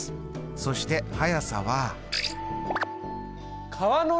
そして速さは。